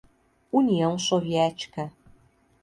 União Soviética